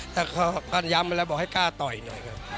ถ้าการยำอะไรบอกให้กล้าต่อยหน่อยครับ